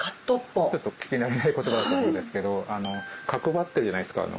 ちょっと聞き慣れない言葉だと思うんですけどかくばってるじゃないですか。